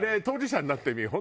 当事者になってみ。